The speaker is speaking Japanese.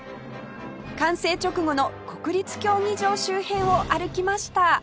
完成直後の国立競技場周辺を歩きました